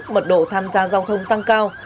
mật độ tham gia giao thông tăng cao